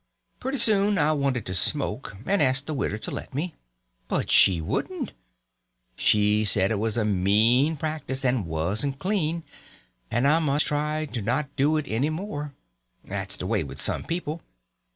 Pretty soon I wanted to smoke, and asked the widow to let me. But she wouldn't. She said it was a mean practice and wasn't clean, and I must try to not do it any more. That is just the way with some people.